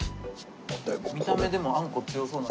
見た目でもあんこ強そうな。